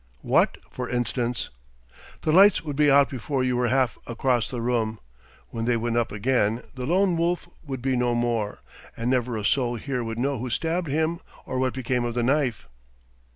"What, for instance?" "The lights would be out before you were half across the room. When they went up again, the Lone Wolf would be no more, and never a soul here would know who stabbed him or what became of the knife."